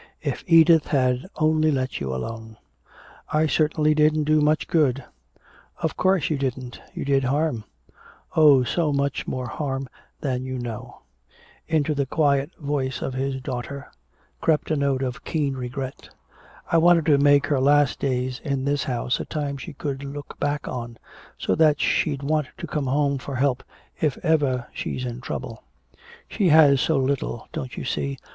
"If Edith had only let you alone." "I certainly didn't do much good." "Of course you didn't you did harm oh, so much more harm than you know." Into the quiet voice of his daughter crept a note of keen regret. "I wanted to make her last days in this house a time she could look back on, so that she'd want to come home for help if ever she's in trouble. She has so little don't you see?